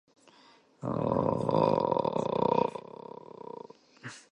The dynamite and fertiliser bombs were set off by mobile phone.